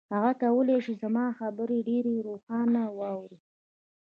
هغه کولای شي زما خبرې ډېرې روښانه واوري.